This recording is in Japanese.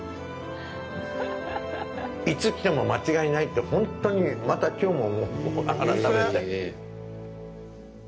いつ来ても間違いないって本当にまた、きょうも思う改めて。